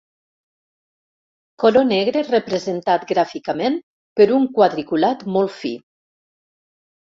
Color negre representat gràficament per un quadriculat molt fi.